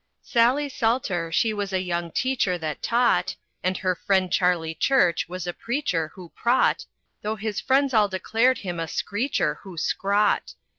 Sally Salter, she was a young teacher, that taught, And her friend Charley Church was a preacher, who praught; Though his friends all declared him a screecher, who scraught.